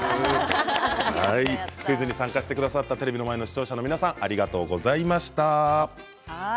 クイズに参加してくださったテレビの前の皆さんもありがとうございました。